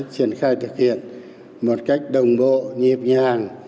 triển khai thực hiện một cách đồng bộ nhịp nhàng